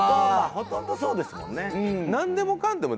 ほとんどそうですもんね。